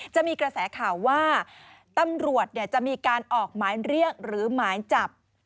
จะมีกระแสข่าวว่าตำรวจจะมีการออกหมายเรียกหรือหมายจับ